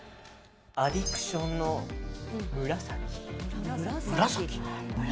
アディクションの紫。